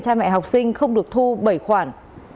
trai mẹ học sinh không được thu bảy khoản